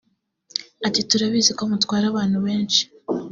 Ati” Turabizi ko mutwara abantu benshi